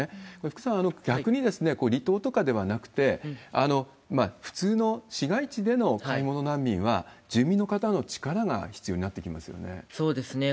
福さん、逆に離島とかではなくて、普通の市街地での買い物難民は、住民の方の力が必要になってきますよね。